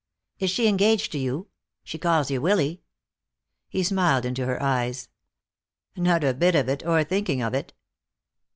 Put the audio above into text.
"Is she engaged to you? She calls you Willy." He smiled into her eyes. "Not a bit of it, or thinking of it."